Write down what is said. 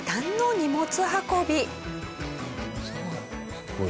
すごい。